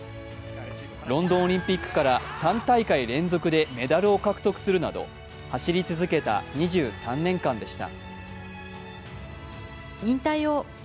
ロンドンオリンピックから３大会連続でメダルを獲得するなど走り続けた２３年間でした。